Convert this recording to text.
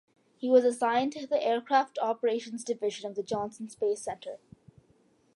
He was assigned to the Aircraft Operations Division of the Johnson Space Center.